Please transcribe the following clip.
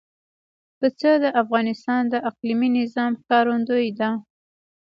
پسه د افغانستان د اقلیمي نظام ښکارندوی ده.